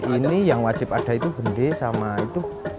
ini yang wajib ada itu bende sama itu